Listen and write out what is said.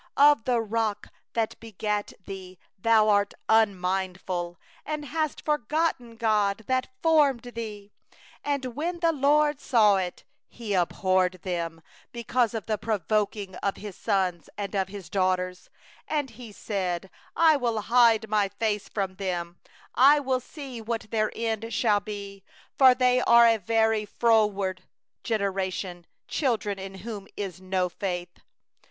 18Of the Rock that begot thee thou wast unmindful, And didst forget God that bore thee. 19And the LORD saw, and spurned, Because of the provoking of His sons and His daughters. 20And He said: 'I will hide My face from them, I will see what their end shall be; For they are a very froward generation, Children in whom is no faithfulness.